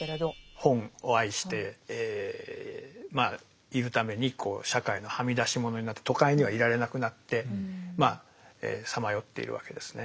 本を愛しているために社会のはみ出し者になって都会にはいられなくなってまあさまよっているわけですね。